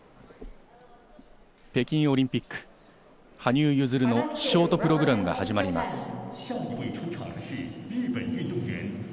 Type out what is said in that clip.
北京オリンピック、羽生結弦のショートプログラムが始まります。